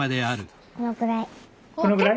このぐらい？